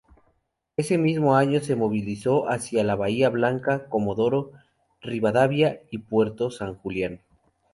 Ese mismo año, se movilizó hacia Bahía Blanca, Comodoro Rivadavia y Puerto San Julián.